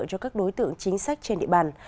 cho các đối tượng chính sách trên địa bàn